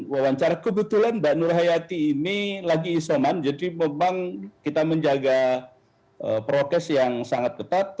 wawancara kebetulan mbak nur hayati ini lagi isoman jadi memang kita menjaga prokes yang sangat ketat